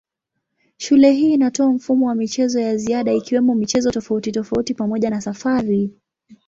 Shule hii inatoa mfumo wa michezo ya ziada ikiwemo michezo tofautitofauti pamoja na safari.